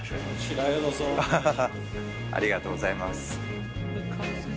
ハハハありがとうございます。